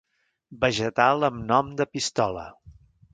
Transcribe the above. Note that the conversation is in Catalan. Vegetal amb nom de pistola.